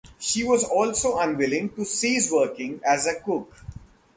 She was also unwilling to cease working as a cook.